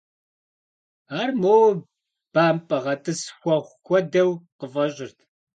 Ар моуэ бампӏэ гъэтӏыс хуэхъу хуэдэу къыфӏэщӏырт.